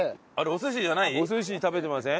お寿司食べてません？